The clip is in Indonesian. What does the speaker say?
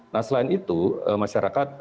nah selain itu masyarakat